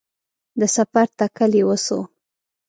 د سفر تکل یې وسو